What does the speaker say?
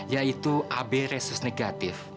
yaitu ab resus negatif